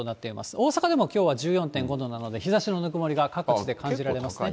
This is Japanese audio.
大阪でもきょうは１４．５度なので、日ざしのぬくもりが各地で感じられますね。